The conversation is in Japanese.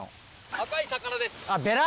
赤い魚です。